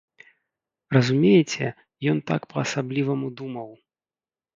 Разумееце, ён так па-асабліваму думаў.